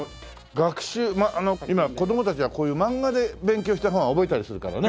学習今子どもたちがこういう漫画で勉強した方が覚えたりするからね。